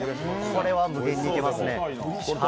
これは無限でいけますね。